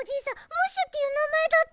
ムッシュっていうなまえだった。